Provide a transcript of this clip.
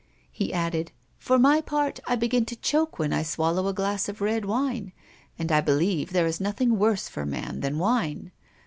He added: "For my part I begin to choke when I swallow a glass of red wine, and I believe there is nothing worse for man than wine.